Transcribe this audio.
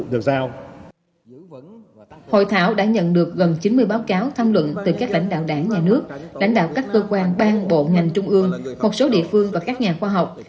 trong chín mươi báo cáo tham luận từ các lãnh đạo đảng nhà nước lãnh đạo các cơ quan bang bộ ngành trung ương một số địa phương và các nhà khoa học